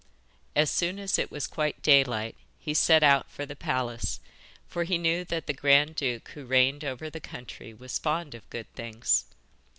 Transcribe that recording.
As soon as it was quite daylight he set out for the palace, for he knew that the grand duke who reigned over the country was fond of good things.